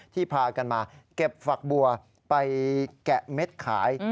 พากันมาเก็บฝักบัวไปแกะเม็ดขาย